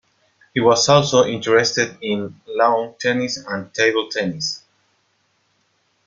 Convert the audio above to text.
He was also interested in lawn tennis and table tennis.